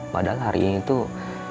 padahal hari ini tuh